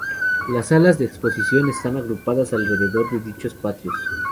Las salas de exposición están agrupadas alrededor de dichos patios.